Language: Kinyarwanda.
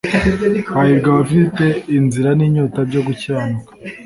«Hahirwa abafite inzara n'inyota byo gukiranuka».